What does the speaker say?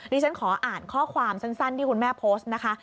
ฉันขออ่านข้อความสั้นที่คุณแม่โพสต์นะคะ